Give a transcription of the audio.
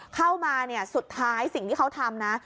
เข้ามาเนี่ยสุดท้ายสิ่งที่เขาทำนะ